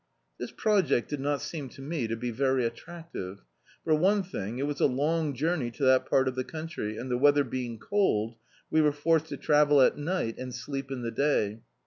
This project did not seem to me to be very attrac dve. For one thing, it was a long journey to that part of the country, and the weather being cold, we were forced to travel at night and sleep in the day.